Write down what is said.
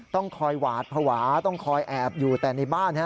ต้องคอยหวาดภาวะต้องคอยแอบอยู่แต่ในบ้าน